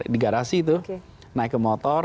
di garasi itu naik ke motor